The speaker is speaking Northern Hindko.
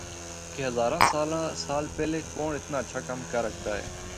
کہ ہزاراں سال پہلا کونڑ اتنا ہچھا کم کر ہکدا ہے۔